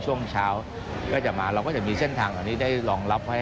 มึงยาลาถือเป็นเมืองที่มีผังเมืองดีที่สุดในประเทศ